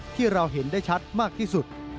ที่เราเห็นได้ชัดมากที่สุด